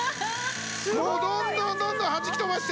もうどんどんどんどんはじき飛ばしてほら。